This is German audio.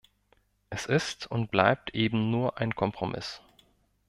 Es ist und bleibt eben nur ein Kompromiss.